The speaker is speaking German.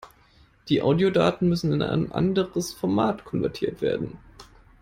Die Audiodaten müssen in ein anderes Format konvertiert werden.